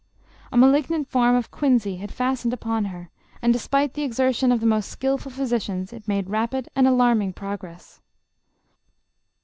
A malignant form of quinzy had fastened upon her, and, despite the exertion of the most skillful physicians, it made rapid and alarming progress.